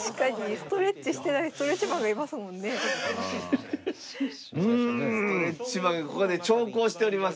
ストレッチマンがここで長考しております。